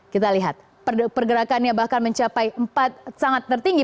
kita lihat pergerakannya bahkan mencapai empat sangat tertinggi